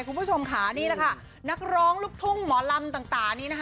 ผู้ชมขานี้นะคะนักร้องลูกทุ่งหมอลัมต่างต่านี่นะคะ